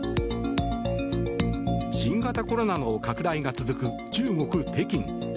新型コロナの拡大が続く中国・北京。